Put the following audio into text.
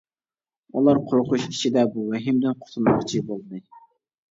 ئۇلار قورقۇش ئىچىدە بۇ ۋەھىمىدىن قۇتۇلماقچى بولدى.